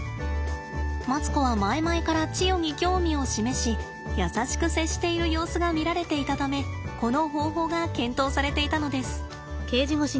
マツコは前々からチヨに興味を示し優しく接している様子が見られていたためこの方法が検討されていたのです。